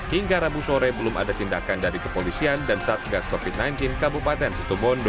hingga rabu sore belum ada tindakan dari kepolisian dan satgas covid sembilan belas kabupaten situbondo